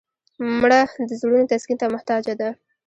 مړه د زړونو تسکین ته محتاجه ده